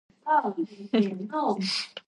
Ахмак көндез шәм ягар, мае беткәч, кичен айга багар.